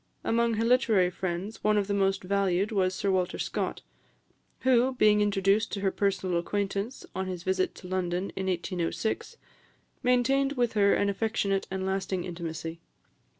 Among her literary friends, one of the most valued was Sir Walter Scott, who, being introduced to her personal acquaintance on his visit to London in 1806, maintained with her an affectionate and lasting intimacy.